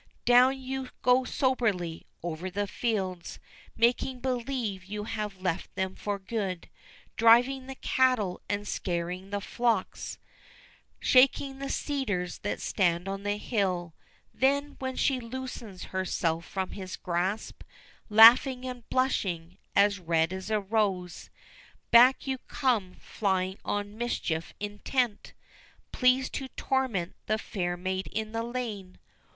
Down you go soberly over the fields, Making believe you have left them for good, Driving the cattle and scaring the flocks, Shaking the cedars that stand on the hill; Then, when she loosens herself from his grasp, Laughing and blushing, and red as a rose, Back you come flying on mischief intent Pleased to torment the fair maid in the lane.